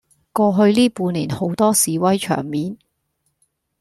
過去呢半年好多示威場面